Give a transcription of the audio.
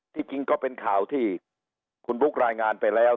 จริงก็เป็นข่าวที่คุณบุ๊ครายงานไปแล้ว